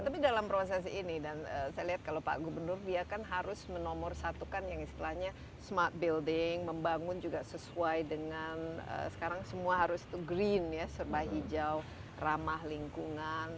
tapi dalam proses ini dan saya lihat kalau pak gubernur dia kan harus menomorsatukan yang istilahnya smart building membangun juga sesuai dengan sekarang semua harus itu green ya serba hijau ramah lingkungan